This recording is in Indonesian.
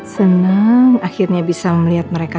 senang akhirnya bisa melihat mereka